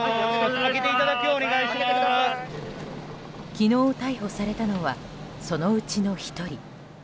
昨日逮捕されたのはそのうちの１人。